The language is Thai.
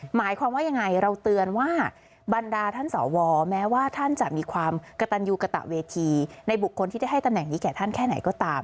หมายความว่ายังไงเราเตือนว่าบรรดาท่านสวแม้ว่าท่านจะมีความกระตันยูกระตะเวทีในบุคคลที่ได้ให้ตำแหน่งนี้แก่ท่านแค่ไหนก็ตาม